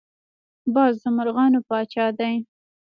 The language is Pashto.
باز د مرغانو پاچا دی